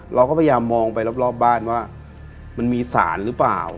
เราก็พยายามมองไปรอบบ้านว่ามันมีสารหรือเปล่า